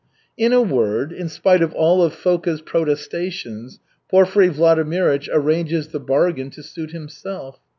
In a word, in spite of all of Foka's protestations, Porfiry Vladimirych arranges the bargain to suit himself.